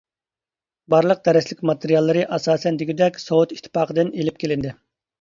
بارلىق دەرسلىك ماتېرىياللىرى ئاساسەن دېگۈدەك، سوۋېت ئىتتىپاقىدىن ئېلىپ كېلىندى.